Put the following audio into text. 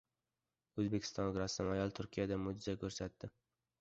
O‘zbekistonlik rassom ayol Turkiyada mo‘’jiza ko‘rsatdi